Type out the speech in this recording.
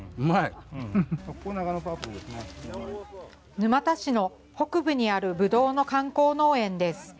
沼田市の北部にあるぶどうの観光農園です。